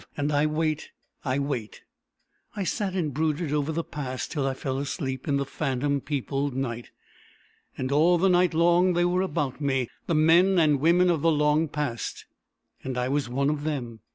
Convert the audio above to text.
And I wait I wait." I sat and brooded over the Past, till I fell asleep in the phantom peopled night. And all the night long they were about me the men and women of the long past. And I was one of them.